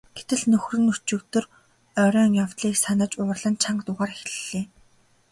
Гэтэл нөхөр нь өчигдөр оройн явдлыг санаж уурлан чанга дуугаар хэллээ.